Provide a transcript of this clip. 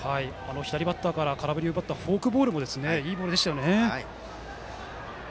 左バッターから空振りを奪ったフォークもいいボールでしたよね。